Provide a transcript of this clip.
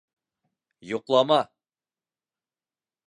- Йоҡлама!